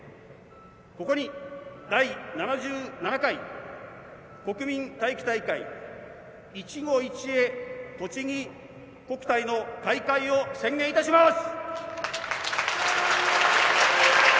ここに第７７回国民体育大会「いちご一会とちぎ国体」の開会を宣言いたします。